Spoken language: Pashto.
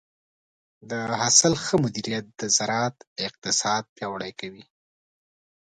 د حاصل ښه مدیریت د زراعت اقتصاد پیاوړی کوي.